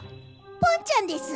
ぽんちゃんです。